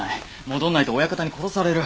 戻らないと親方に殺される。